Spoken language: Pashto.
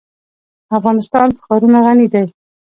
افغانستان په ښارونه غني دی.